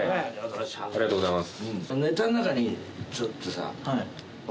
ありがとうございます。